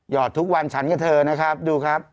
อดทุกวันฉันกับเธอนะครับดูครับ